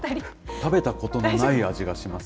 食べたことのない味がします。